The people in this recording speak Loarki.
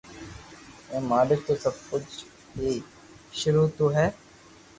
اي مالڪ تو سب ڪجھ ھي سروع تو ھي